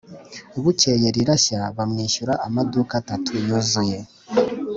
bukeye rirashya bamwishyura amaduka atatu yuzuye.